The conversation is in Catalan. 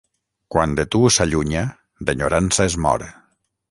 Quan de tu s'allunya, d'enyorança es mor.